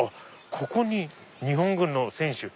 ここに日本軍の選手。